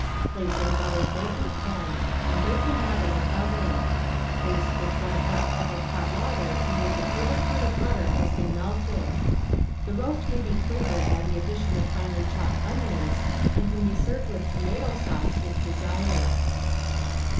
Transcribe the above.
Place in buttered baking pan and bake in moderate oven. Baste with one half cup of hot water in which a tablespoonful of butter has been melted. The roast may be flavored by the addi tion of finely chopped onions, and can be served with tomato sauce if desired.